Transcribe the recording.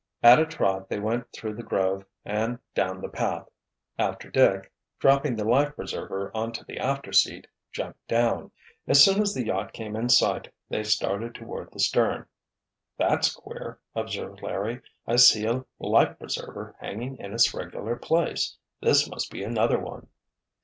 At a trot they went through the grove and down the path, after Dick, dropping the life preserver onto the after seat, jumped down. As soon as the yacht came in sight, they stared toward the stern. "That's queer," observed Larry. "I see a life preserver hanging in its regular place. This must be another one!"